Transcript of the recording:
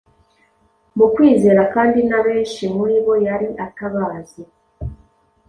mu kwizera kandi n’abenshi muri bo yari atabazi,